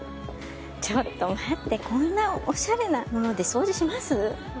ちょっと待ってこんなオシャレなもので掃除します？